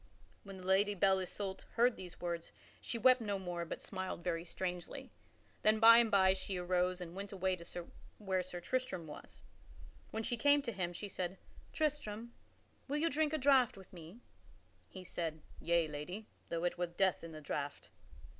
When the Lady Belle Isoult heard these words she wept no more but smiled very strangely. Then by and by she arose and went away to where Sir Tristram was. When she came to him she said, "Tristram, will you drink of a draught with me?" He said, "Yea, lady, though it were death in the draught."